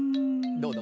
どうだ？